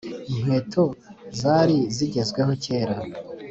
inkweto zari zigezweho kera